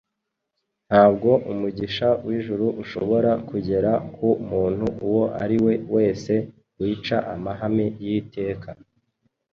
ntabwo umugisha w’ijuru ushobora kugera ku muntu uwo ari we wese wica amahame y’iteka